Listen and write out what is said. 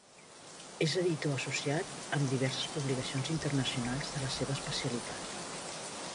És editor associat en diverses publicacions internacionals de la seva especialitat.